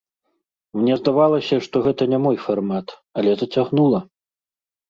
Мне здавалася, што гэта не мой фармат, але зацягнула.